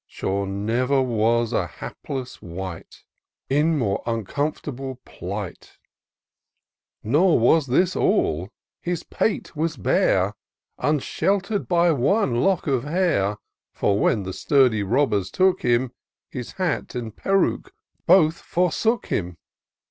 Sure never was an hapless wight In more uncomfortable plight : Nor was this aU ; his pate was bare, Unshelter*d by one lock of hair ; For when the sturdy robbers took him, His hat and peruke both forsook him.